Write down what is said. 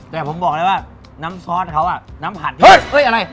แต่ผมบอกเลยว่าน้ำซอสเขาอ่ะน้ำผัดพี่เอ้ยอะไร